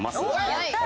やったー！